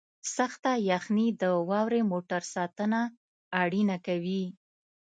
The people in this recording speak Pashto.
سخته یخنۍ د واورې موټر ساتنه اړینه کوي